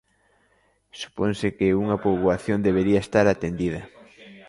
Suponse que unha poboación debería estar atendida.